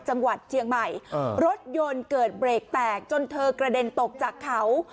จังหวัดเชียงใหม่รถยนต์เกิดเบรกแตกจนเธอกระเด็นตกจากเขา